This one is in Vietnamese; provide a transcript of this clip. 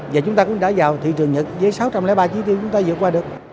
và chúng ta cũng đã vào thị trường nhật với sáu trăm linh ba trí tiêu chúng ta dựa qua được